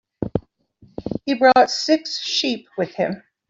He brought six sheep with him.